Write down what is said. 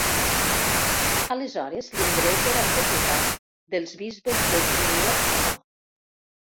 Aleshores l'indret era propietat dels bisbes de Gniezno.